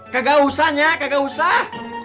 kagak usah nya kagak usah